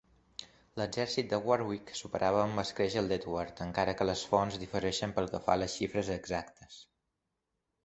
L'exèrcit de Warwick superava amb escreix el d'Edward, encara que les fonts difereixen pel que fa a les xifres exactes.